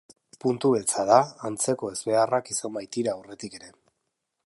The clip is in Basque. Puntu beltza da, antzeko ezbeharrak izan baitira aurretik ere.